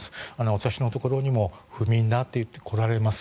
私のところにも不眠だといって来られます。